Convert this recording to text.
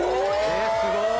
えっすごい。